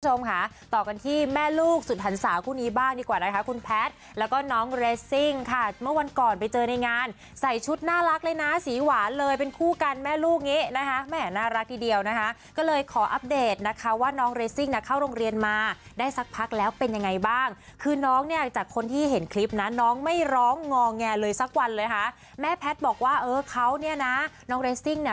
คุณผู้ชมค่ะต่อกันที่แม่ลูกสุดทันสาวคู่นี้บ้างดีกว่านะคะคุณแพทย์แล้วก็น้องเรสซิ่งค่ะเมื่อวันก่อนไปเจอในงานใส่ชุดน่ารักเลยนะสีหวานเลยเป็นคู่กันแม่ลูกนี้นะคะแม่น่ารักทีเดียวนะคะก็เลยขออัปเดตนะคะว่าน้องเรสซิ่งนะเข้าโรงเรียนมาได้สักพักแล้วเป็นยังไงบ้างคือน้องเนี่ยจากคนที่เห็นคลิปนะน้องไม่ร